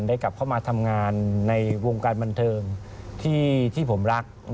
กลับเข้ามาทำงานในวงการบันเทิงที่ผมรัก